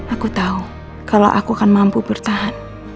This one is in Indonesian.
aku tahu kalau aku akan mampu bertahan